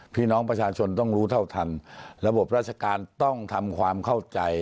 พี่น้องประชาชนต้องรู้เท่าทันระบบราชการต้องทำความเข้าใจ